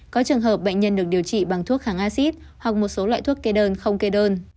có trường hợp bệnh nhân được điều trị bằng thuốc kháng acid hoặc một số loại thuốc kê đơn không kê đơn